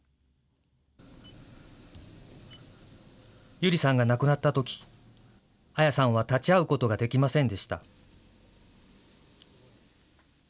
百合さんが亡くなったとき、綾さんは立ち会うことができませんでした。